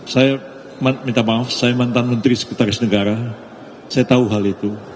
saya minta maaf saya mantan menteri sekretaris negara saya tahu hal itu